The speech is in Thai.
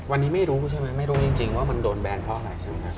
วันนี้ไม่รู้ใช่ไหมไม่รู้จริงว่ามันโดนแบนเพราะอะไรใช่ไหมครับ